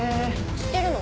知ってるの？